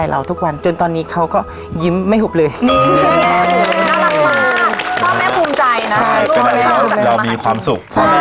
เหนื่อยไหมหนู